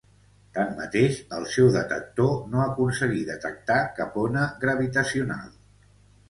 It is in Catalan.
Tanmateix el seu detector no aconseguí detectar cap ona gravitacional.